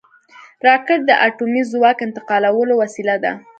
راکټ د اټومي ځواک انتقالولو وسیله ده